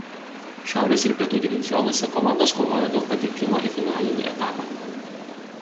Šiaurės ir Pietų divizionuose komandos kovojo dėl patekimo į finalinį etapą.